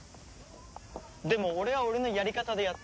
でも俺は俺のやり方でやった。